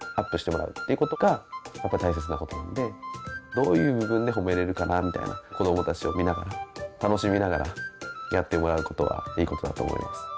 どういう部分で褒めれるかなみたいな子どもたちを見ながら楽しみながらやってもらうことがいいことだと思います。